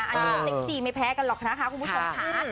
อันนี้ก็เซ็กซี่ไม่แพ้กันหรอกนะคะคุณผู้ชมค่ะ